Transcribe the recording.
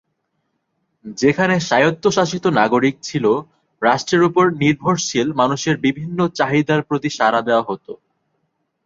যেখানে স্বায়ত্তশাসিত নাগরিক ছিল, রাষ্ট্রের উপর নির্ভরশীল মানুষের বিভিন্ন চাহিদার প্রতি সাড়া দেওয়া হত।